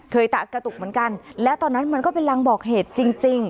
ตะกระตุกเหมือนกันและตอนนั้นมันก็เป็นรางบอกเหตุจริง